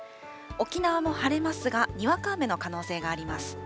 沖縄も晴れますが、にわか雨の可能性があります。